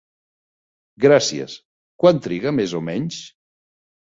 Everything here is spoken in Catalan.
Gràcies, quant triga més o menys?